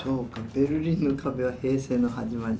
「ベルリンの壁は平成の始まり」